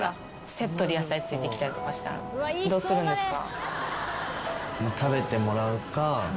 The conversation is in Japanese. セットで野菜付いてきたりとかしたらどうするんですか？